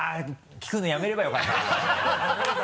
聞くのやめればよかったな。